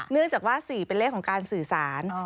เนื่องจากว่า๔เป็นเลขของการสื่อสาร